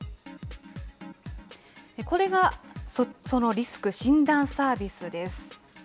これがそのリスク診断サービスです。